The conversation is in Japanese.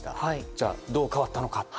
じゃあ、どう変わったのか。